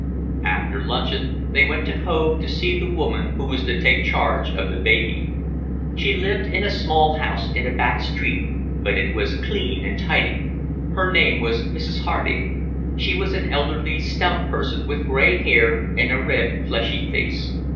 After luncheon they went to Hove to see the woman who was to take charge of the baby. She lived in a small house in a back street, but it was clean and tidy. Her name was Mrs. Harding. She was an elderly, stout person, with gray hair and a red, fleshy face.